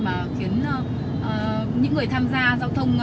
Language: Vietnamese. mà khiến những người tham gia giao thông